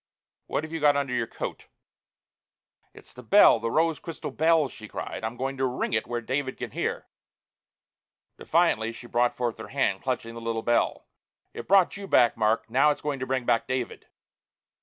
What have you got under your coat?" "It's the bell, the rose crystal bell!" she cried. "I'm going to ring it where David can hear!" Defiantly she brought forth her hand, clutching the little bell. "It brought you back, Mark! Now it's going to bring back David!"